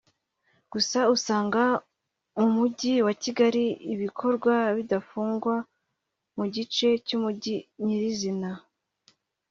Gusa usanga mu mujyi wa Kigali ibikorwa bidafungwa mu gice cy’umujyi nyirizina